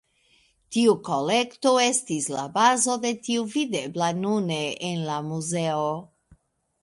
Tiu kolekto estis la bazo de tio videbla nune en la muzeo.